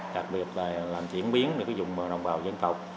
đặc biệt là làm chuyển biến để có dụng đồng bào dân tộc